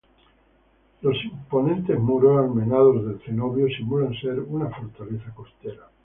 Los imponentes muros almenados del cenobio simulan ser una fortaleza costera.